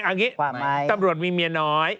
เอางี้ตำรวจมีเมียน้อย